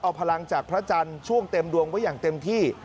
เอาพลังจากพระจันทร์ช่วงเต็มดวงไว้อย่างเต็มที่